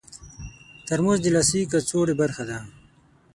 ترموز د لاسي کڅوړې برخه ده.